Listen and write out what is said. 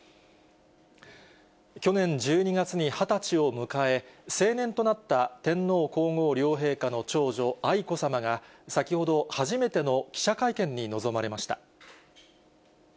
去年１２月に２０歳を迎え、成年となった天皇皇后両陛下の長女、愛子さまが、先ほど初めての記者会見に臨まれました。